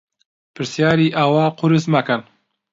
پرسیاری ئاوا قورس مەکەن.